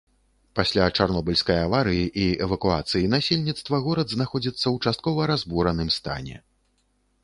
Пасля чарнобыльскай аварыі і эвакуацыі насельніцтва горад знаходзіцца ў часткова разбураным стане.